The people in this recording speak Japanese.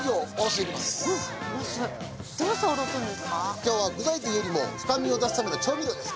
ええ今日は具材というよりも深みを出すための調味料です。